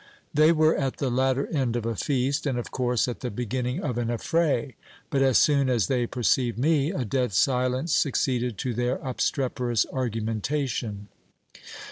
They were at the latter end of a feast, and of course at the beginning of an affray ; but as soon as they perceived me, a dead silence succeeded to their obstreperous argumentation.